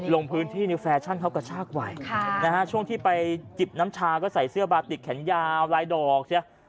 ลงพื้นที่ฟาชั่นครับกับชาร์กว่ายช่วงที่ไปจิบน้ำชาก็ใส่เสื้อบาติกแขนยาวลายดอก